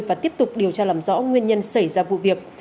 và tiếp tục điều tra làm rõ nguyên nhân xảy ra vụ việc